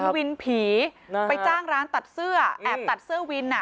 วินผีไปจ้างร้านตัดเสื้อแอบตัดเสื้อวิน